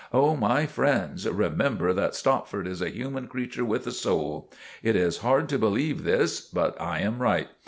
Oh, my friends, remember that Stopford is a human creature with a soul. It is hard to believe this, but I am right.